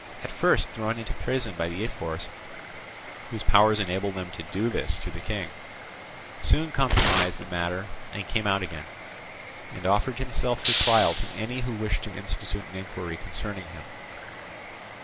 At first thrown into prison by the ephors (whose powers enable them to do this to the King), soon compromised the matter and came out again, and offered himself for trial to any who wished to institute an inquiry concerning him.